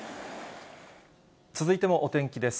続いてもお天気です。